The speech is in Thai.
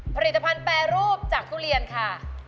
ผลิตภัณฑ์แปรรูปจากทุเรียนค่ะ